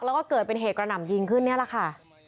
แล้วก็เกิดเป็นเหตุกระหน่ำยิงขึ้นนี่แหละค่ะ